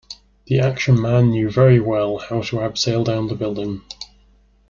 The action man knew very well how to abseil down the building